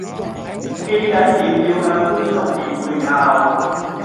記緊臉要向觀眾別背靠